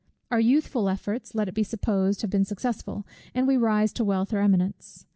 Our youthful efforts let it be supposed have been successful; and we rise to wealth or eminence.